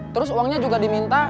terus uangnya juga diminta